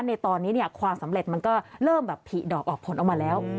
ในตอนนี้ความสำเร็จมันก็เริ่มแบบผีดอกออกผลออกมาแล้ว